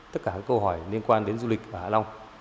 tất cả các câu hỏi liên quan đến du lịch ở hạ long